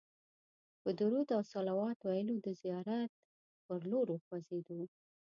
په درود او صلوات ویلو د زیارت پر لور وخوځېدو.